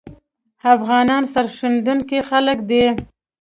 افغانان سرښندونکي خلګ دي